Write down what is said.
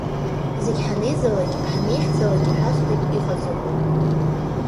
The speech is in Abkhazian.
Зегь ҳанеизалак, ҳанеихьӡалак ишәасҳәоит иҟаҵатәу.